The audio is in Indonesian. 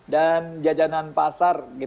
dan jajanan pasar